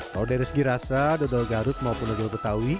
tahu dari segi rasa dodol garut maupun dodol betawi